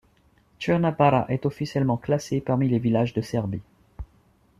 Crna Bara est officiellement classée parmi les villages de Serbie.